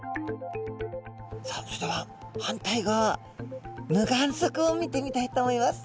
さあそれでは反対側無眼側を見てみたいと思います。